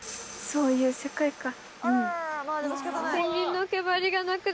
そういう世界か。